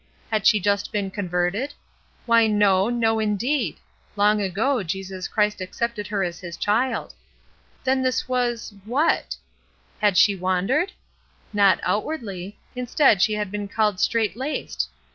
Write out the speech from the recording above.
Had she just been converted ? Why, no, — no, indeed ! Long ago Jesus Christ accepted her as His child. Then this was — what ? Had she wandered ? Not outwardly; instead, she had been called ''strait laced."